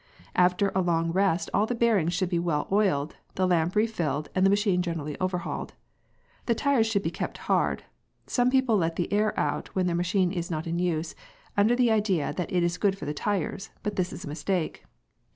After a long rest all the bearings should be well oiled, the lamp refilled, and the machine generally overhauled. The tyres should be kept hard. Some people let the air out when their machine is not in use, under the idea that it is good for the tyres, but this is a mistake.